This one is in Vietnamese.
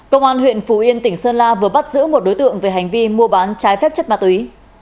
công an huyện phú yên tỉnh sơn la vừa bắt giữ một đối tượng về hành vi mua bán trái phép chất ma túy